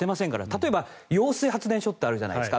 例えば揚水発電所ってあるじゃないですか。